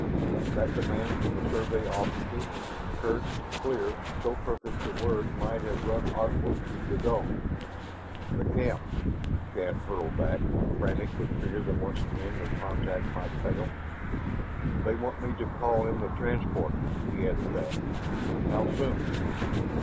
That demand from the Survey officer, curt, clear so perfect the word might have rung audibly through the dome. "The camp!" Shann hurled that back, frantic with fear than once again their contact might fail. "They want me to call in the transport." He added that. "How soon?"